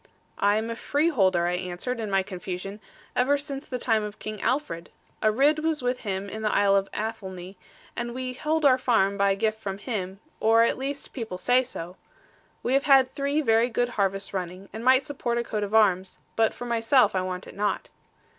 'I am a freeholder,' I answered, in my confusion, 'ever since the time of King Alfred. A Ridd was with him in the isle of Athelney, and we hold our farm by gift from him; or at least people say so. We have had three very good harvests running, and might support a coat of arms; but for myself I want it not.'